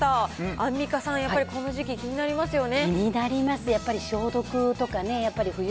アンミカさん、やっぱりこの時期、気になりますよね。